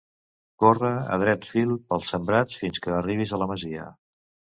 Corre a dret fil pels sembrats fins que arribis a la masia.